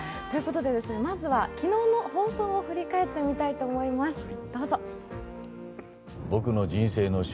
ということでまずは昨日の放送を振り返ってみたいと思います。